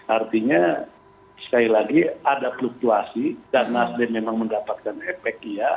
artinya sekali lagi ada fluktuasi dan nasdem memang mendapatkan efek iya